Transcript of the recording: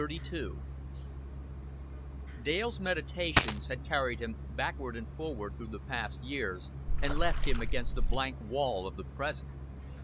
XXXII Dale's meditations had carried him backward and forward through the past years, and left him against the blank wall of the present.